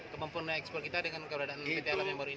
kemampuan ekspor kita dengan keberadaan pt alam yang baru ini